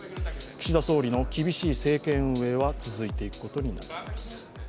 岸田総理の厳しい政権運営は続いていくことになります。